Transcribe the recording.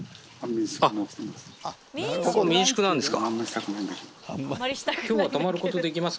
ここ民宿なんですか。